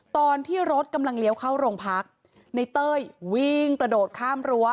ตอนที่รถกำลังเลี้ยวเข้าโรงพักในเต้ยวิ่งกระโดดข้ามรั้ว